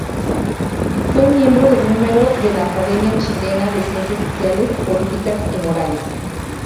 Fue miembro de número de la Academia Chilena de Ciencias Sociales, Políticas y Morales.